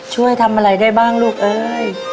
ช่วยทำอะไรได้บ้างลูกเอ้ย